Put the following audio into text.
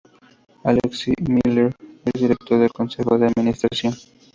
Alexey Miller es director del consejo de administración.